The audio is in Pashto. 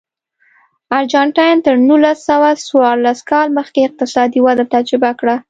ارجنټاین تر نولس سوه څوارلس کال مخکې اقتصادي وده تجربه کړه.